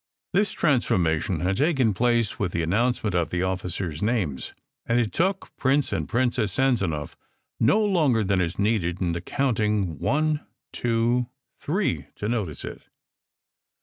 This transformation had taken place with the announce ment of the officers names; and it took Prince and Princess Sanzanow no longer than is needed in the counting one two three to notice it.